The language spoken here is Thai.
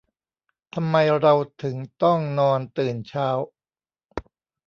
ทำไมเราถึงต้องนอนตื่นเช้า